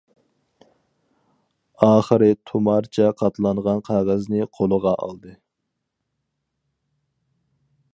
ئاخىرى تۇمارچە قاتلانغان قەغەزنى قولىغا ئالدى.